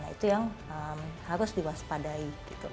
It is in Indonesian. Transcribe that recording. itu yang harus diwaspadai